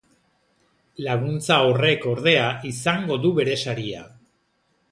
Laguntza horrek, ordea, izango du bere saria.